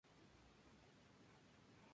Sin embargo, no han dado mayores detalles.